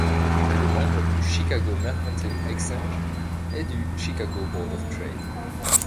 Il est membre du Chicago Mercantile Exchange et du Chicago Board of Trade.